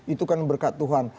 itu kan berkat tuhan